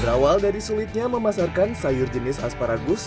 berawal dari sulitnya memasarkan sayur jenis asparagus